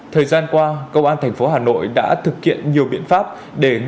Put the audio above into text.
thời gian qua công an thành phố hà nội đã thực hiện nhiều biện pháp để ngăn chặn